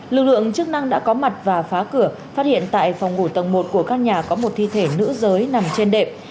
lực lượng chức năng đã có mặt và phá cửa phát hiện tại phòng ngủ tầng một của các nhà có một thi thể nữ giới nằm trên đệm